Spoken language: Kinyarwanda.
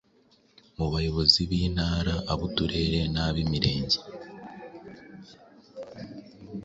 mu bayobozi b’Intara, ab’Uturere n’ab’Imirenge.